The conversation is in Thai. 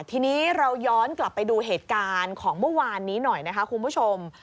ทีนี้เราย้อนกลับไปดูเหตุการณ์ของเมื่อวานนี้หน่อยนะคะคุณผู้ชม